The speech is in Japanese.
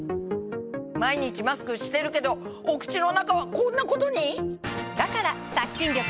毎日マスクしてるけどお口の中はこんなことに⁉だから。